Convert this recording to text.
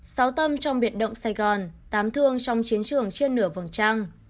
sáu tâm trong biệt động sài gòn tám thương trong chiến trường trên nửa vầng trăng